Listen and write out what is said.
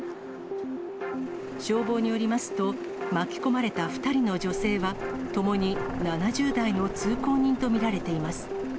消防によりますと、巻き込まれた２人の女性は、ともに７０代の通行人と見られています。